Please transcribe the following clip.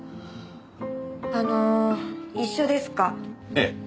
ええ。